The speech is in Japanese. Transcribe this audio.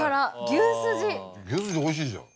牛筋おいしいじゃん。